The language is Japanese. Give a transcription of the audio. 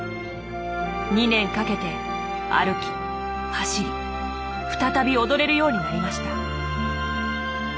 ２年かけて歩き走り再び踊れるようになりました。